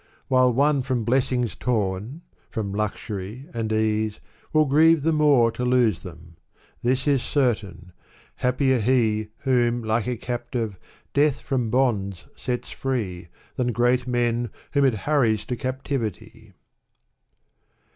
While one from blessings torn — From luxury and ease — will grieve the more To lose them. . This is certain. Happier he Whom, like a captive, death from bonds sets free, Than great men, whom it hurries to captivity."